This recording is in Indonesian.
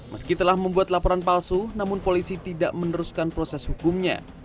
meski telah membuat laporan palsu namun polisi tidak meneruskan proses hukumnya